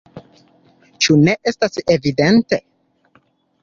Ĉu ne estas evidente?